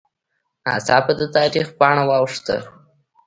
ناڅاپه د تاریخ پاڼه واوښته